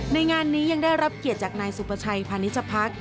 ในงานนี้ยังได้รับเกียรติจากนายสุประชัยพาณิชพัก